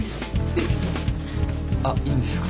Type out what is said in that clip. えっあっいいんですか？